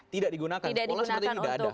tidak digunakan pola seperti tidak ada